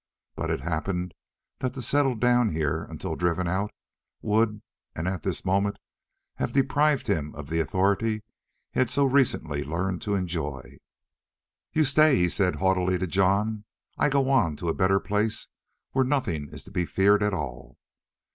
But it happened that to settle down here until driven out would and at this moment have deprived him of the authority he had so recently learned to enjoy. "You stay," he said haughtily, to Jon. "I go on, to a better place where nothing is to be feared at all!"